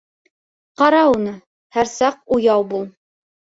Ҡара уны, һәр саҡ уяу бул!